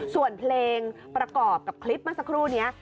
ส่วนเพลงประกอบกับคลิปเมื่อสักครู่นี้